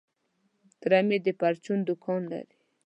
تره مي د پرچون دوکان لري .